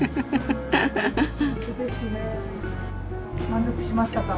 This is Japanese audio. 満足しましたか？